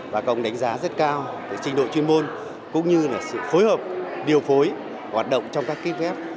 và công đánh giá rất cao trình độ chuyên môn cũng như sự phối hợp điều phối hoạt động trong các kết ghép